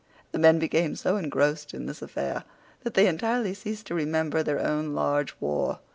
The men became so engrossed in this affair that they entirely ceased to remember their own large war.